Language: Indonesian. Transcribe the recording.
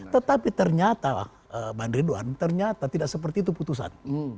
tetapi ternyata bang ridwan ternyata tidak seperti itu putusan